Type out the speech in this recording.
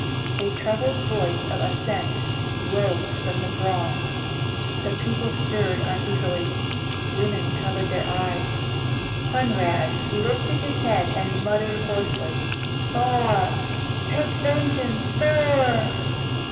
A troubled voice of assent rose from the throng. The people stirred uneasily. Women covered their eyes. Hunrad lifted his head and muttered hoarsely, "Thor! take vengeance! Thor!"